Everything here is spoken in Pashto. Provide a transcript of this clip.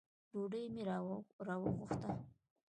ډوډۍ مي راوغوښته .